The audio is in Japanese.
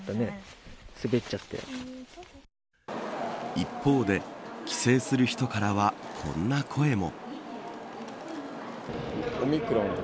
一方で、帰省する人からはこんな声も。